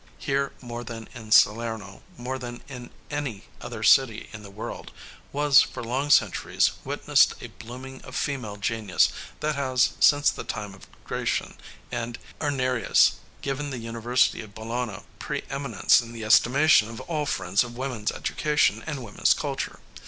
Here, more than in Salerno, more than in any other city in the world, was, for long centuries, witnessed a blooming of female genius that has, since the time of Gratian and Irnerius, given the University of Bologna preëminence in the estimation of all friends of woman's education and woman's culture.